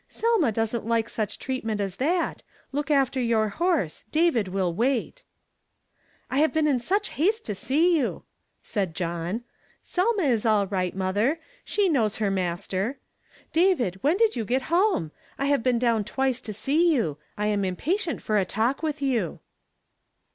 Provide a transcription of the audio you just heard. " Selma doesn't like such treatment as that; look after your horse; David will wait." " I have been in such haste to see you !" said John. "Selma is all right, mother; she knows her master. David, Avhen did you get home ? I have been down twice to see you. I am impatient for a talk with you."